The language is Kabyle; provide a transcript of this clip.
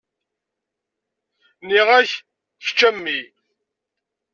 Nniɣ-ak kečč a mmi.